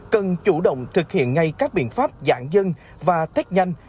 cần chủ động thực hiện ngay các biện pháp giãn dân và tết nhanh